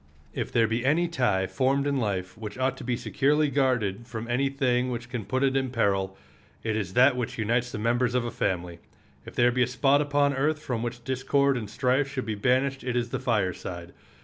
If there be any tie formed in life which ought to be securely guarded from any thing which can put it in peril it is that which unites the members of a family. If there be a spot upon earth from which discord and strife should be banished it is the fireside.